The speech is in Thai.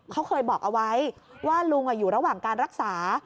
เขาเคยบอกเอาไว้ว่าลุงอยู่ระหว่างการรักษา